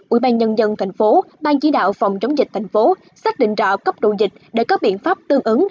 ủy ban nhân dân thành phố ban chỉ đạo phòng chống dịch thành phố xác định rõ cấp độ dịch để có biện pháp tương ứng